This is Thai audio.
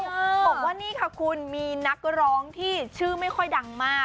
บอกว่านี่ค่ะคุณมีนักร้องที่ชื่อไม่ค่อยดังมาก